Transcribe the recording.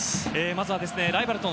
まずはライバルと